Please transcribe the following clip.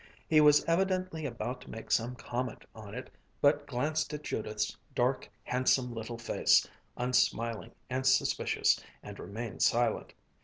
He was evidently about to make some comment on it, but glanced at Judith's dark handsome little face, unsmiling and suspicious, and remained silent.